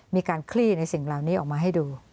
คลี่ในสิ่งเหล่านี้ออกมาให้ดู